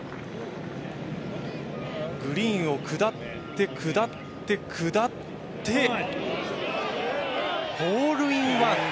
グリーンを下って下って下ってホールインワン。